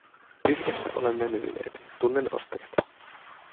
Yhdessä olemme myyneet, tunnen ostajat.